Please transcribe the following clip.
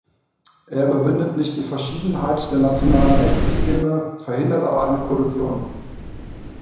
Er überwindet nicht die Verschiedenheit der nationalen Rechtssysteme, verhindert aber eine Kollision.